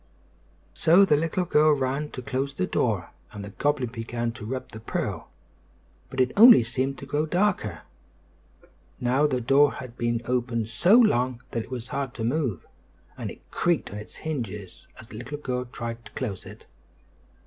So the little girl ran to close the door, and the goblin began to rub the pearl; but it only seemed to grow darker. Now the door had been open so long that it was hard to move, and it creaked on its hinges as the little girl tried to close it.